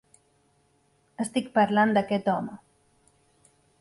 Estic parlant d'aquest home.